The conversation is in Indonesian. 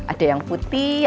ada yang putih